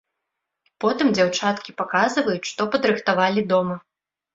Потым дзяўчаткі паказваюць, што падрыхтавалі дома.